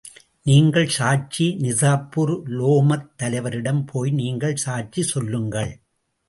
நீங்கள் சாட்சி, நிசாப்பூர் உலேமாத் தலைவரிடம் போய் நீங்கள் சாட்சி சொல்லுங்கள்.